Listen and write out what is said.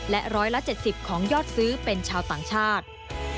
และ๑๗๐ของยอดซื้อเป็นชาวต่างชาติ